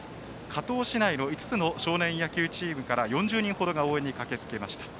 加東市内の５つの少年野球チームから４０人ほどが応援に駆けつけました。